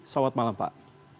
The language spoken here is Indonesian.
selamat malam pak